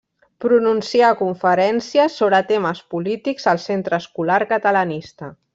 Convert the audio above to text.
Pronuncià conferències sobre temes polítics al Centre Escolar Catalanista.